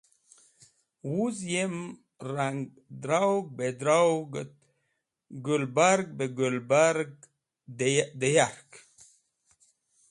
Woz yem rang, darawgar be darawgar et qũlbagar be qũlbagar dẽ yark.